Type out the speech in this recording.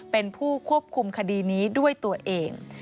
เป็นผู้ควบคุมคดีนี้ด้วยตัวเอง